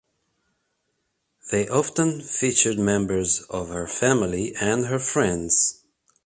They often featured members of her family and her friends.